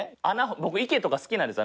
僕、池とか好きなんですよ。